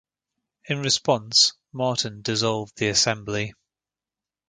In response, Martin dissolved the Assembly.